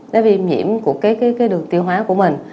nó viêm nhiễm của cái đường tiêu hóa của mình